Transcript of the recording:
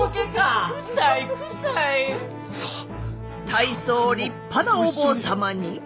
大層立派なお坊様に。